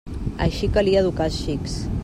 Així calia educar els xics.